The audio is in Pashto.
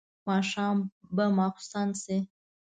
ماښام به ماخستن شي.